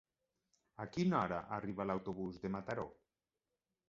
A quina hora arriba l'autobús de Mataró?